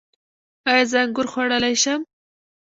ایا زه انګور خوړلی شم؟